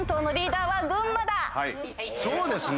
そうですね。